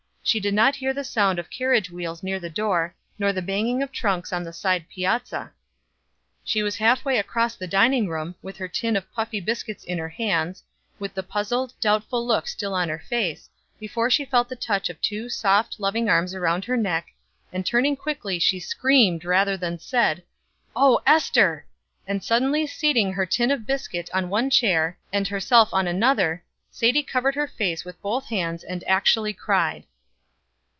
She did not hear the sound of carriage wheels near the door, nor the banging of trunks on the side piazza. She was half way across the dining room, with her tin of puffy biscuits in her hands, with the puzzled, doubtful look still on her face, before she felt the touch of two soft, loving arms around her neck, and turning quickly, she screamed, rather than said: "Oh, Ester!" And suddenly seating her tin of biscuit on one chair and herself on another, Sadie covered her face with both hands and actually cried.